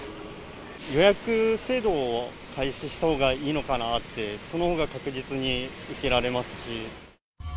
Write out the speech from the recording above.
予約制度を開始したほうがいいのかなって、そのほうが確実に受けられますし。